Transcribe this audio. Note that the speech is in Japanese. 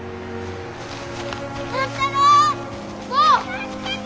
・助けて！